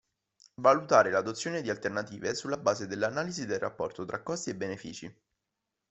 Valutare l'adozione di alternative sulla base dell'analisi del rapporto tra costi e benefici.